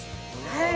はい。